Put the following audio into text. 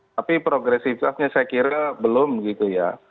tapi progresifnya saya kira belum begitu ya